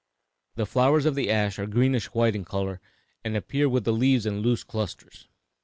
The flowers of the ash are greenish white in color and appear with the leaves in loose clusters.